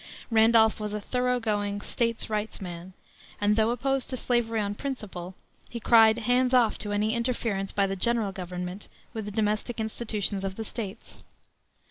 Randolph was a thorough going "States rights" man, and though opposed to slavery on principle, he cried hands off to any interference by the General Government with the domestic institutions of the States.